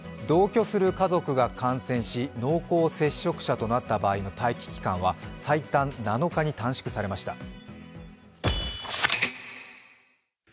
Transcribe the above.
同居する家族が感染し、濃厚接触者となった場合の待機期間は最短７日に短縮されました。